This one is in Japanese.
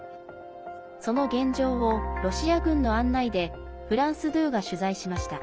その現状を、ロシア軍の案内でフランス２が取材しました。